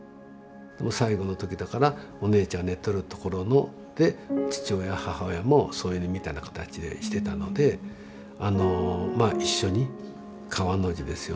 最期の時だからお姉ちゃん寝とる所で父親母親も添い寝みたいな形でしてたのであのまあ一緒に川の字ですよね。